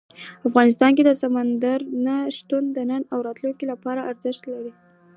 افغانستان کې سمندر نه شتون د نن او راتلونکي لپاره ارزښت لري.